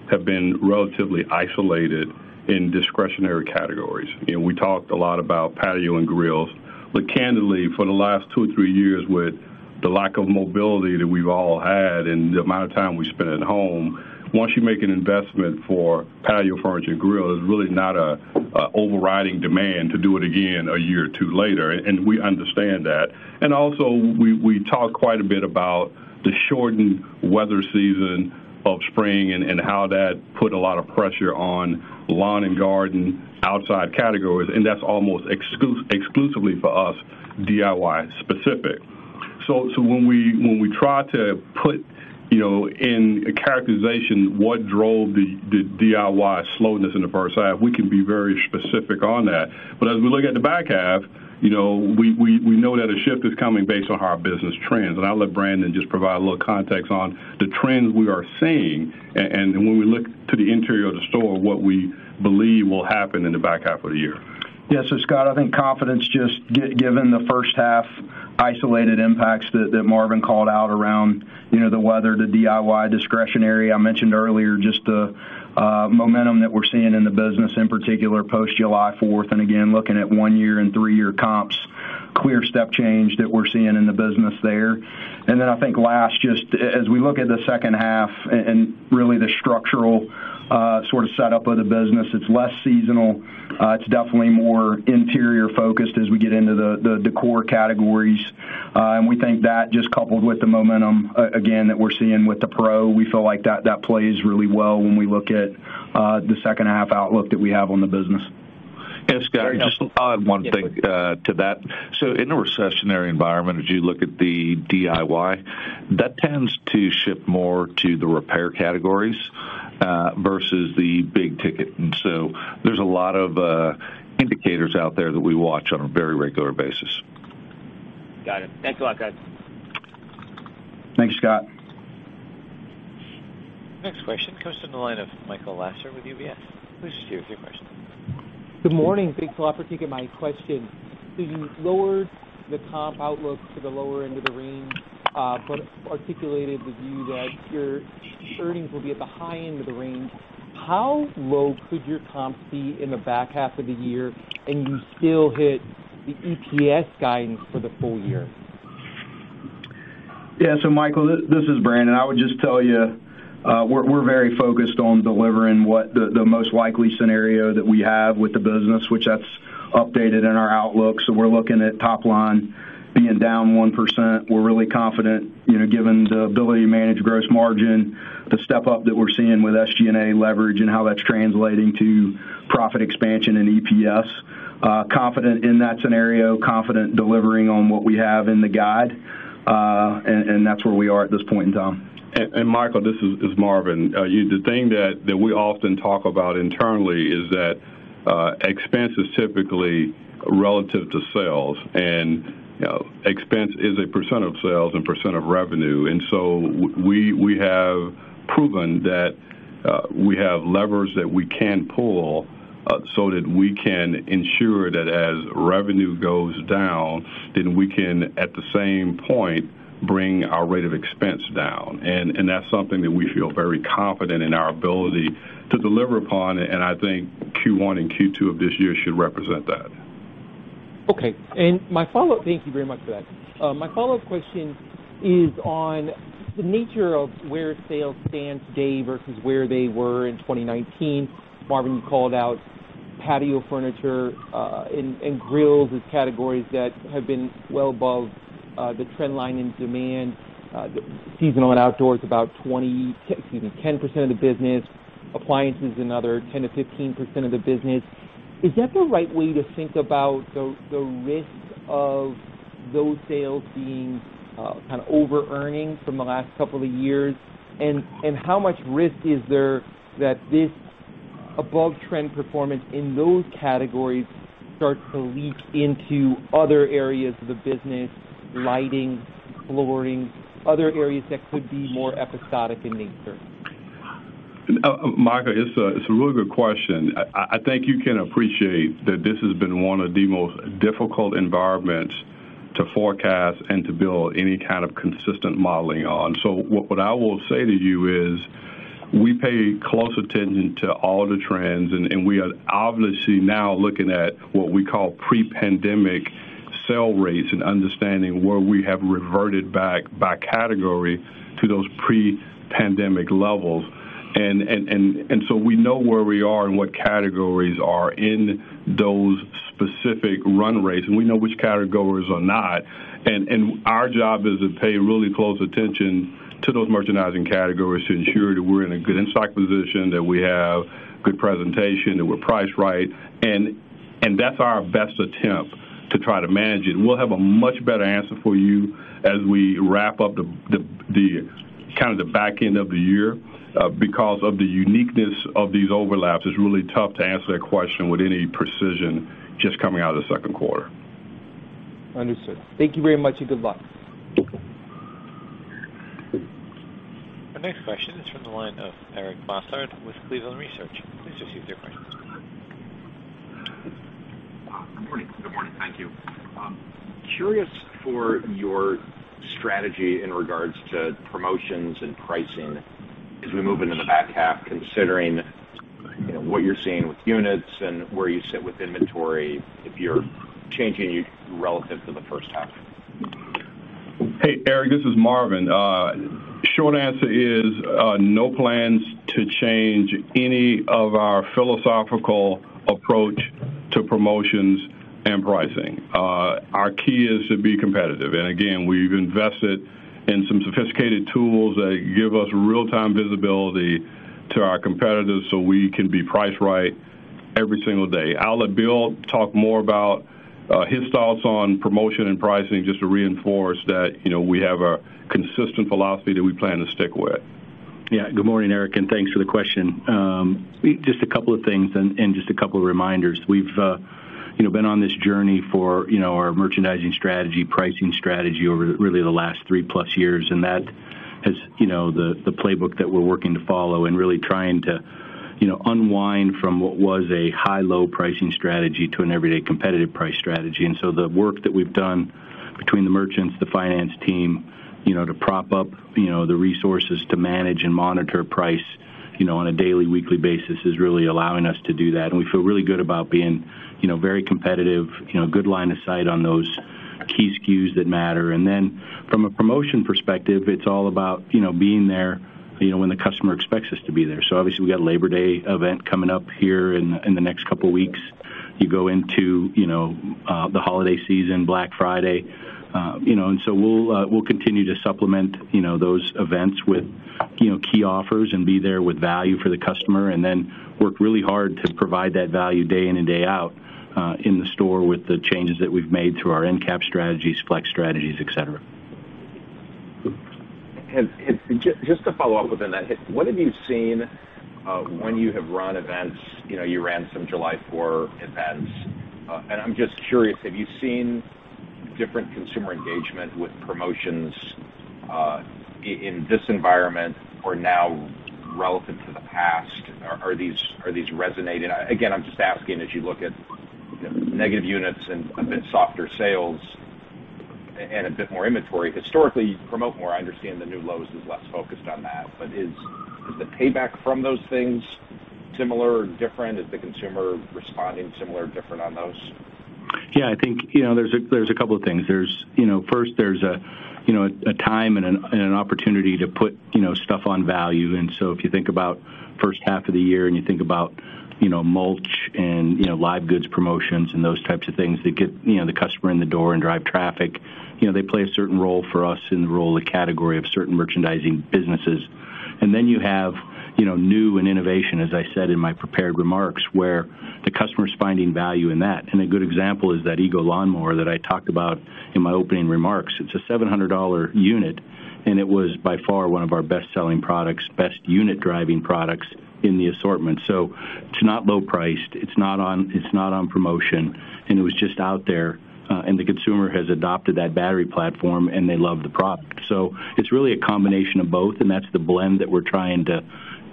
have been relatively isolated in discretionary categories. You know, we talked a lot about patio and grills. Candidly, for the last two, three years, with the lack of mobility that we've all had and the amount of time we spend at home, once you make an investment for patio furniture and grill, there's really not an overriding demand to do it again a year or two later. We understand that. Also, we talk quite a bit about the shortened weather season of spring and how that put a lot of pressure on lawn and garden outside categories, and that's almost exclusively for us, DIY-specific. When we try to put, you know, in a characterization what drove the DIY slowness in the first half, we can be very specific on that. As we look at the back half, you know, we know that a shift is coming based on our business trends. I'll let Brandon just provide a little context on the trends we are seeing and when we look to the interior of the store, what we believe will happen in the back half of the year. Yes. Scot, I think confidence just given the first half isolated impacts that Marvin called out around, you know, the weather, the DIY discretionary. I mentioned earlier just the momentum that we're seeing in the business, in particular post July 4th. Again, looking at one year and three-year comps, clear step change that we're seeing in the business there. Then I think last, just as we look at the second half and really the structural sort of setup of the business, it's less seasonal. It's definitely more interior-focused as we get into the core categories. And we think that just coupled with the momentum again that we're seeing with the pro, we feel like that plays really well when we look at the second half outlook that we have on the business. Yes, Scot. Just to add one thing, to that. In a recessionary environment, as you look at the DIY, that tends to shift more to the repair categories, versus the big ticket. There's a lot of indicators out there that we watch on a very regular basis. Got it. Thanks a lot, guys. Thanks, Scot. Next question comes from the line of Michael Lasser with UBS. Please proceed with your question. Good morning. Thanks a lot for taking my question. You lowered the comp outlook to the lower end of the range, but articulated the view that your earnings will be at the high end of the range. How low could your comp be in the back half of the year, and you still hit the EPS guidance for the full year? Yeah. Michael, this is Brandon. I would just tell you, we're very focused on delivering what the most likely scenario that we have with the business, which that's updated in our outlook. We're looking at top line being down 1%. We're really confident, you know, given the ability to manage gross margin, the step up that we're seeing with SG&A leverage and how that's translating to profit expansion and EPS. Confident in that scenario, confident delivering on what we have in the guide, and that's where we are at this point in time. Michael, this is Marvin. The thing that we often talk about internally is that expense is typically relative to sales, and you know, expense is a percent of sales and percent of revenue. We have proven that we have levers that we can pull so that we can ensure that as revenue goes down, then we can at the same point bring our rate of expense down. That's something that we feel very confident in our ability to deliver upon. I think Q1 and Q2 of this year should represent that. Thank you very much for that. My follow-up question is on the nature of where sales stand today versus where they were in 2019. Marvin, you called out patio furniture and grills as categories that have been well above the trend line in demand. Seasonal and outdoors, about 10% of the business. Appliances, another 10%-15% of the business. Is that the right way to think about the risk of those sales being kind of overearning from the last couple of years? How much risk is there that this above trend performance in those categories starts to leak into other areas of the business, lighting, flooring, other areas that could be more episodic in nature? Michael, it's a really good question. I think you can appreciate that this has been one of the most difficult environments to forecast and to build any kind of consistent modeling on. What I will say to you is we pay close attention to all the trends, and we are obviously now looking at what we call pre-pandemic sale rates and understanding where we have reverted back by category to those pre-pandemic levels. We know where we are and what categories are in those specific run rates, and we know which categories are not. Our job is to pay really close attention to those merchandising categories to ensure that we're in a good in-stock position, that we have good presentation, that we're priced right. That's our best attempt to try to manage it. We'll have a much better answer for you as we wrap up the back end of the year. Because of the uniqueness of these overlaps, it's really tough to answer that question with any precision just coming out of the second quarter. Understood. Thank you very much, and good luck. Our next question is from the line of Eric Bosshard with Cleveland Research. Please proceed with your question. Good morning. Good morning. Thank you. Curious for your strategy in regards to promotions and pricing as we move into the back half, considering, you know, what you're seeing with units and where you sit with inventory, if you're changing relative to the first half? Hey, Eric, this is Marvin. Short answer is, no plans to change any of our philosophical approach to promotions and pricing. Our key is to be competitive. Again, we've invested in some sophisticated tools that give us real-time visibility to our competitors so we can be priced right every single day. I'll let Bill talk more about his thoughts on promotion and pricing just to reinforce that, you know, we have a consistent philosophy that we plan to stick with. Yeah. Good morning, Eric, and thanks for the question. Just a couple of things and just a couple of reminders. We've you know, been on this journey for you know, our merchandising strategy, pricing strategy over really the last 3+ years, and that has you know, the playbook that we're working to follow and really trying to you know, unwind from what was a high-low pricing strategy to an everyday competitive price strategy. The work that we've done between the merchants, the finance team, you know, to prop up you know, the resources to manage and monitor price you know, on a daily, weekly basis is really allowing us to do that. We feel really good about being you know, very competitive you know, good line of sight on those key SKUs that matter. From a promotion perspective, it's all about, you know, being there, you know, when the customer expects us to be there. So obviously, we got a Labor Day event coming up here in the next couple weeks. You go into, you know, the holiday season, Black Friday, you know, and so we'll continue to supplement, you know, those events with, you know, key offers and be there with value for the customer, and then work really hard to provide that value day in and day out in the store with the changes that we've made through our end cap strategies, flex strategies, et cetera. Just to follow up within that, what have you seen, when you have run events, you know, you ran some July 4th events, and I'm just curious, have you seen different consumer engagement with promotions, in this environment or now relevant to the past? Are these resonating? Again, I'm just asking, as you look at, you know, negative units and a bit softer sales and a bit more inventory, historically, you promote more. I understand the new Lowe's is less focused on that, but is the payback from those things similar or different? Is the consumer responding similar or different on those? Yeah. I think, you know, there's a couple of things. First, there's a time and an opportunity to put, you know, stuff on value. If you think about first half of the year and you think about, you know, mulch and live goods promotions and those types of things that get, you know, the customer in the door and drive traffic, you know, they play a certain role for us in the role of category of certain merchandising businesses. Then you have, you know, new and innovation, as I said in my prepared remarks, where the customer's finding value in that. A good example is that EGO lawnmower that I talked about in my opening remarks. It's a $700 unit, and it was by far one of our best-selling products, best unit-driving products in the assortment. It's not low priced, it's not on, it's not on promotion, and it was just out there, and the consumer has adopted that battery platform, and they love the product. It's really a combination of both, and that's the blend that we're trying to,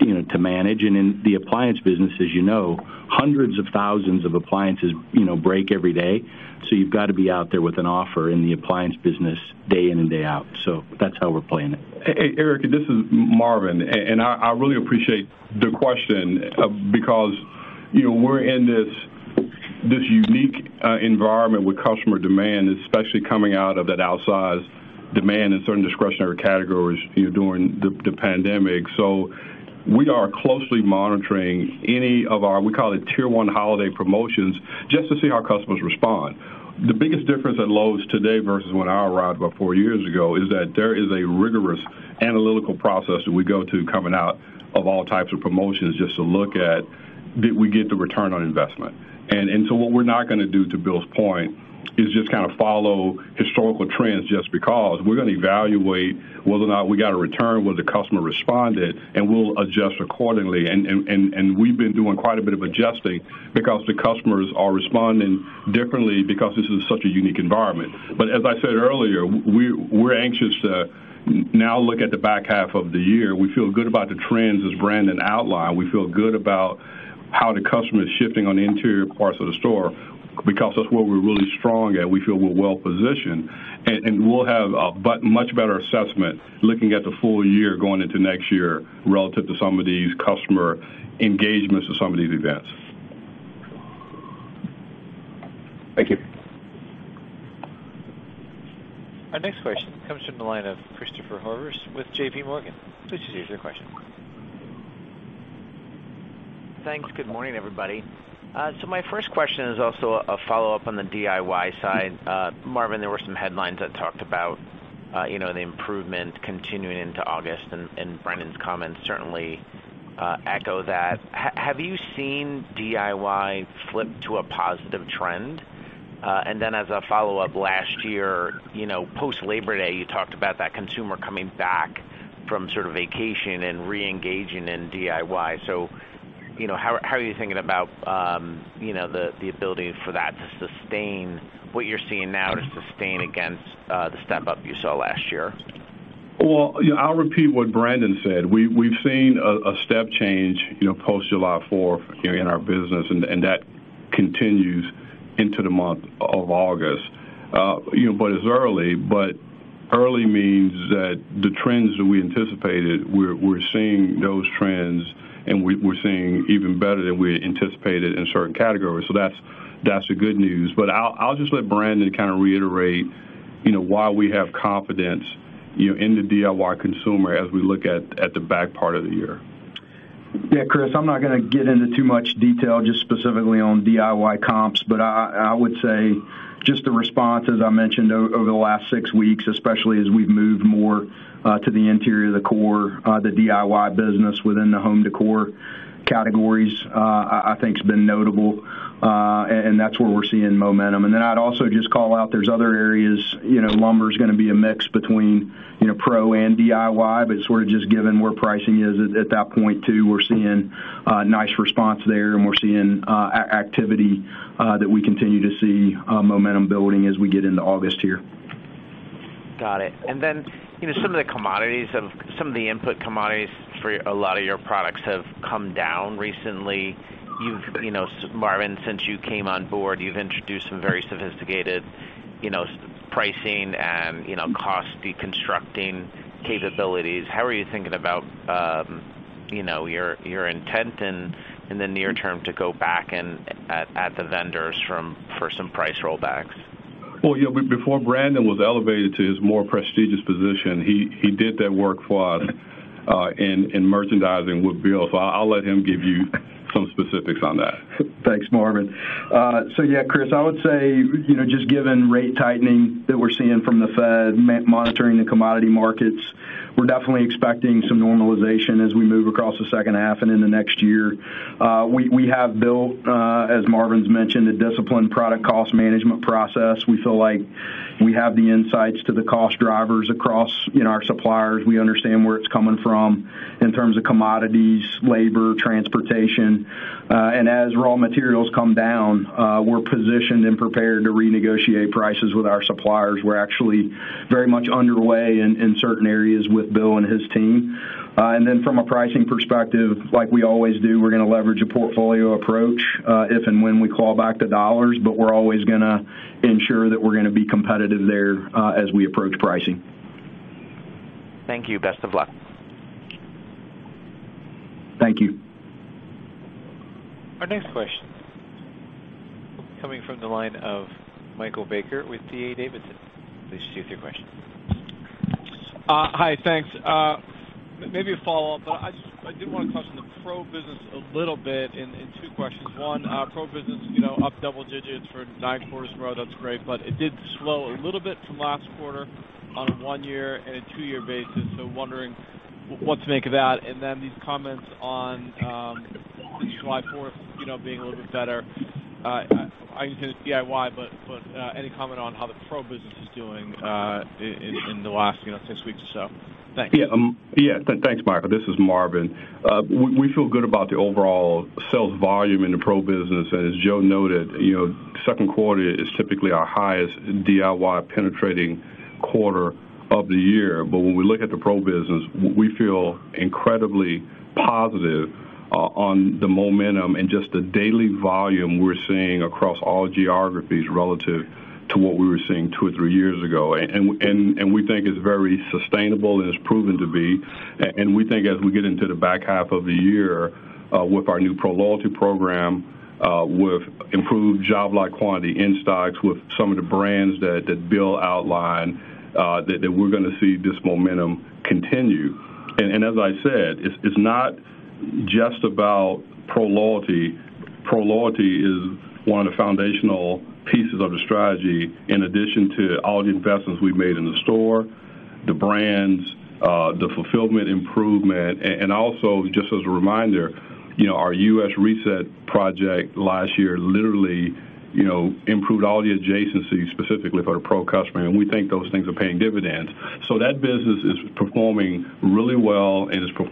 you know, to manage. In the appliance business, as you know, hundreds of thousands of appliances, you know, break every day, so you've got to be out there with an offer in the appliance business day in and day out. That's how we're playing it. Eric, this is Marvin. And I really appreciate the question, because, you know, we're in this unique environment with customer demand, especially coming out of that outsized demand in certain discretionary categories, you know, during the pandemic. We are closely monitoring any of our, we call it tier one holiday promotions, just to see how customers respond. The biggest difference at Lowe's today versus when I arrived about four years ago is that there is a rigorous analytical process that we go to coming out of all types of promotions just to look at did we get the return on investment. What we're not gonna do, to Bill's point, is just kind of follow historical trends just because. We're gonna evaluate whether or not we got a return, whether the customer responded, and we'll adjust accordingly. We've been doing quite a bit of adjusting because the customers are responding differently because this is such a unique environment. We're anxious to now look at the back half of the year. We feel good about the trends as Brandon outlined. We feel good about how the customer is shifting on the interior parts of the store because that's where we're really strong at. We feel we're well positioned, and we'll have a much better assessment looking at the full year going into next year relative to some of these customer engagements to some of these events. Thank you. Our next question comes from the line of Christopher Horvers with JPMorgan. Please proceed with your question. Thanks. Good morning, everybody. My first question is also a follow-up on the DIY side. Marvin, there were some headlines that talked about, you know, the improvement continuing into August, and Brandon's comments certainly echo that. Have you seen DIY flip to a positive trend? And then as a follow-up, last year, you know, post Labor Day, you talked about that consumer coming back from sort of vacation and reengaging in DIY. You know, how are you thinking about, you know, the ability for that to sustain what you're seeing now to sustain against the step-up you saw last year? Well, you know, I'll repeat what Brandon said. We've seen a step change, you know, post July fourth here in our business, and that continues into the month of August. You know, but it's early means that the trends that we anticipated, we're seeing those trends, and we're seeing even better than we had anticipated in certain categories. So that's the good news. But I'll just let Brandon kinda reiterate, you know, why we have confidence, you know, in the DIY consumer as we look at the back part of the year. Yeah, Chris, I'm not gonna get into too much detail just specifically on DIY comps, but I would say just the response, as I mentioned over the last six weeks, especially as we've moved more to the interior of the core, the DIY business within the home decor categories, I think has been notable. That's where we're seeing momentum. I'd also just call out there's other areas, you know, lumber's gonna be a mix between, you know, pro and DIY, but sort of just given where pricing is at that point too, we're seeing nice response there, and we're seeing activity that we continue to see momentum building as we get into August here. Got it. You know, some of the input commodities for a lot of your products have come down recently. You know, so Marvin, since you came on board, you've introduced some very sophisticated, you know, pricing and, you know, cost deconstructing capabilities. How are you thinking about, you know, your intent in the near term to go back and at the vendors for some price rollbacks? Well, yeah, before Brandon was elevated to his more prestigious position, he did that work for us, in merchandising with Bill. I'll let him give you some specifics on that. Thanks, Marvin. So yeah, Chris, I would say, you know, just given rate tightening that we're seeing from the Fed, monitoring the commodity markets, we're definitely expecting some normalization as we move across the second half and into next year. We have built, as Marvin's mentioned, a disciplined product cost management process. We feel like we have the insights to the cost drivers across, you know, our suppliers. We understand where it's coming from in terms of commodities, labor, transportation. As raw materials come down, we're positioned and prepared to renegotiate prices with our suppliers. We're actually very much underway in certain areas with Bill and his team. From a pricing perspective, like we always do, we're gonna leverage a portfolio approach, if and when we call back the dollars, but we're always gonna ensure that we're gonna be competitive there, as we approach pricing. Thank you. Best of luck. Thank you. Our next question coming from the line of Michael Baker with D.A. Davidson. Please proceed with your question. Hi. Thanks. Maybe a follow-up. I did wanna touch on the pro business a little bit in two questions. One, pro business, you know, up double digits for nine quarters in a row. That's great, but it did slow a little bit from last quarter on a one-year and a two-year basis. So wondering what to make of that. Then these comments on, since July 4th, you know, being a little bit better, I can say the DIY, but any comment on how the pro business is doing, in the last, you know, six weeks or so? Thanks. Yeah. Yeah, thanks, Michael. This is Marvin. We feel good about the overall sales volume in the pro business. As Joe noted, you know, second quarter is typically our highest DIY penetration quarter of the year. When we look at the pro business, we feel incredibly positive on the momentum and just the daily volume we're seeing across all geographies relative to what we were seeing two or three years ago. We think it's very sustainable, and it's proven to be. We think as we get into the back half of the year, with our new pro loyalty program, with improved job site quantities in stock, with some of the brands that Bill outlined, that we're gonna see this momentum continue. As I said, it's not just about pro loyalty. Pro loyalty is one of the foundational pieces of the strategy in addition to all the investments we've made in the store, the brands, the fulfillment improvement. Also, just as a reminder, you know, our U.S. reset project last year literally, you know, improved all the adjacencies, specifically for our pro customer, and we think those things are paying dividends. That business is performing really well vis-à-vis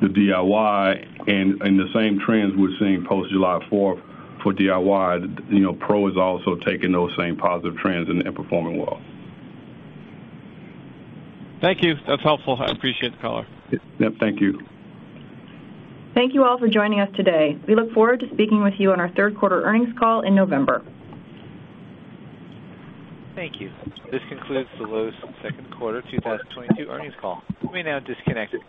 the DIY and the same trends we're seeing post July 4th for DIY. You know, pro is also taking those same positive trends and performing well. Thank you. That's helpful. I appreciate the color. Yeah, thank you. Thank you all for joining us today. We look forward to speaking with you on our third quarter earnings call in November. Thank you. This concludes the Lowe's second quarter 2022 earnings call. You may now disconnect your-